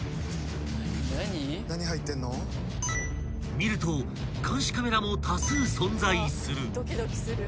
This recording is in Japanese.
［見ると監視カメラも多数存在する］